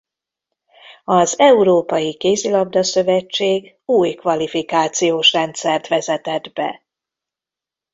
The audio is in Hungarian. Az Európai Kézilabda-szövetség új kvalifikációs rendszert vezetett be.